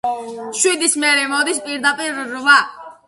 შვიდის მერე მოდის პირდაპირ რვა.